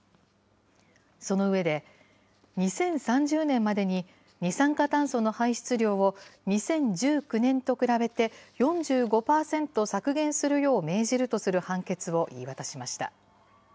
その上で、２０３０年までに二酸化炭素の排出量を２０１９年と比べて４５％削減するよう命じるとする判決を言い渡しました。